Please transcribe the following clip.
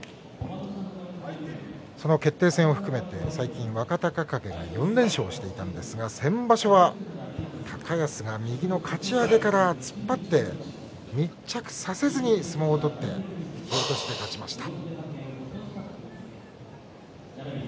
その決定戦を含めて最近若隆景が４連勝していたんですが先場所は高安が右のかち上げから突っ張って密着させずに相撲を取って引き落として勝ちました。